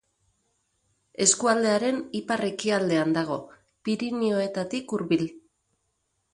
Eskualdearen ipar-ekialdean dago, Pirinioetatik hurbil.